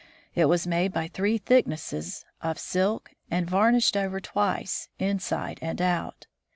It was made of three thicknesses of silk, and varnished over twice, inside and out.